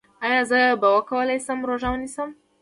ایا زه به وکولی شم روژه ونیسم؟